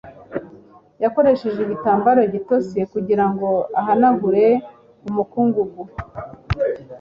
Yakoresheje igitambaro gitose kugirango ahanagure umukungugu.